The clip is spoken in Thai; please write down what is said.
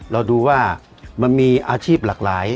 เราดูว่ามันมีอาชีพหลากหลาย